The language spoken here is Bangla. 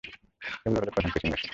এগুলো হল প্রধান প্রেসিং মেশিন।